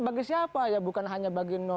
bagi siapa ya bukan hanya bagi